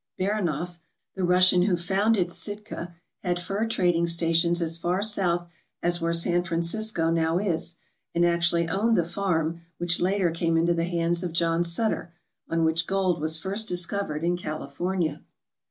Baranof, the Russian who founded Sitka, had fur trading stations as far south as where San Francisco now is, and actually owned the farm which later came into the hands of John Sutter, on which gold was first discovered in California.